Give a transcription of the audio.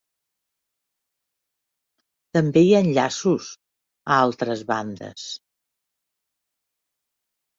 També hi ha enllaços a altres bandes.